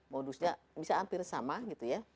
modusnya bisa hampir sama gitu ya